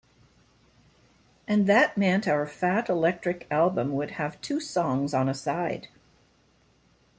And that meant our fat electric album would have two songs on a side.